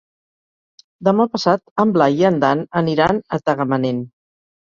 Demà passat en Blai i en Dan aniran a Tagamanent.